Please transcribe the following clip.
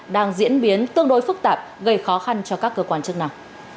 đang diễn biến tương đối phức tạp gây khó khăn cho các cơ quan chức năng